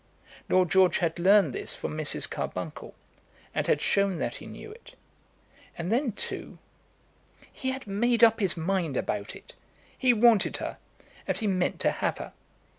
Lord George had learned this from Mrs. Carbuncle, and had shown that he knew it. And then, too, he had made up his mind about it. He wanted her, and he meant to have her.